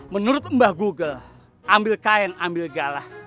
menurut mbah google ambil kain ambil galah